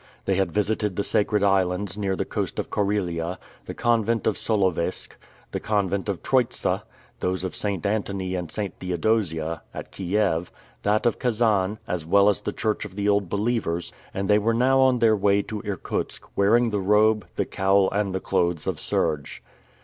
They had visited the sacred islands near the coast of Carelia, the convent of Solovetsk, the convent of Troitsa, those of Saint Antony and Saint Theodosia, at Kiev, that of Kazan, as well as the church of the Old Believers, and they were now on their way to Irkutsk, wearing the robe, the cowl, and the clothes of serge.